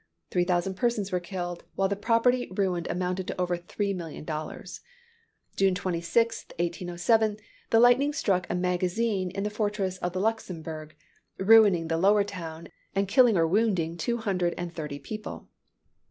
Three thousand persons were killed, while the property ruined amounted to over $3,000,000. June 26, 1807, the lightning struck a magazine in the fortress of the Luxembourg, ruining the lower town, and killing or wounding two hundred and thirty people.